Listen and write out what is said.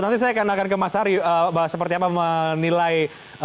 nanti saya akan ke mas ari bahas seperti apa menilai